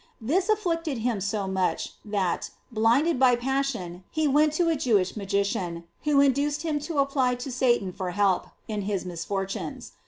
This afflict ed him so much, that, blinded by passion, he went to a Jewish magician, who induced him to apply to Satan for help in his misfortunes.